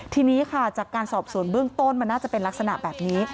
ทีนี้ค่ะจากการสอบสวนเบื้องต้นมันน่าจะเป็นลักษณะแบบนี้